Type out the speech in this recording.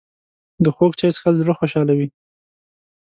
د خوږ چای څښل زړه خوشحالوي